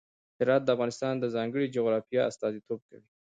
هرات د افغانستان د ځانګړي جغرافیه استازیتوب کوي.